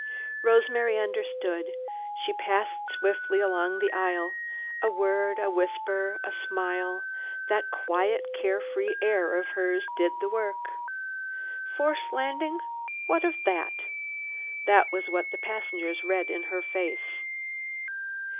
Rosemary understood. She passed swiftly along the aisle. A word, a whisper, a smile, that quiet, care free air of hers did the work. "Forced landing. What of that?" This was what the passengers read in her face.